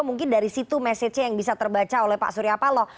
mungkin dari situ mesejnya yang bisa terbaca oleh pak suryapalo